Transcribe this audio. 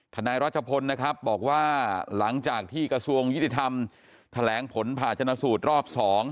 นายรัชพลนะครับบอกว่าหลังจากที่กระทรวงยุติธรรมแถลงผลผ่าชนะสูตรรอบ๒